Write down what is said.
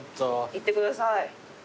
いってください。